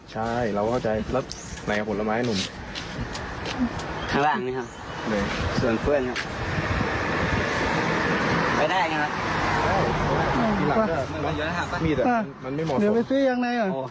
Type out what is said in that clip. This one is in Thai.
เหนือไม่ซื้อยางนั้น